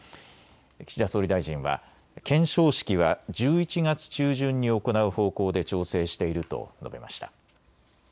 岸田総理大臣は顕彰式は１１月中旬に行う方向で調整していると述べました。